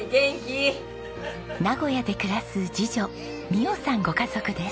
名古屋で暮らす次女未央さんご家族です。